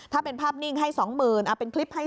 ถ้าเป็นภาพนิ่งให้๒๐๐๐เป็นคลิปให้